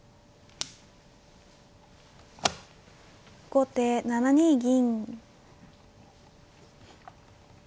後手７二銀。